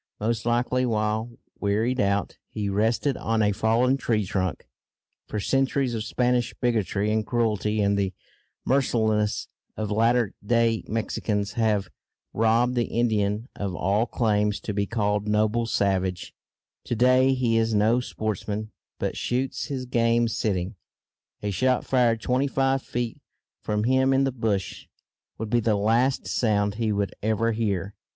Most likely while, wearied out, he rested on a fallen tree trunk (for centuries of Spanish bigotry and cruelty and the mercilessness of latter day Mexicans have robbed the Indian of all claims to be called "noble savage"; to day he is no sportsman, but shoots his game sitting), a shot, fired twenty five feet from him in the bush, would be the last sound he would ever hear.